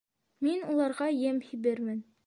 - Мин уларға ем һибермен.